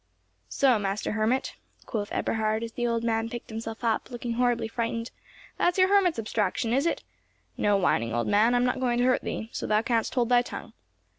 "So, master hermit," quoth Eberhard, as the old man picked himself up, looking horribly frightened; "that's your hermit's abstraction, is it? No whining, old man, I am not going to hurt thee, so thou canst hold thy tongue.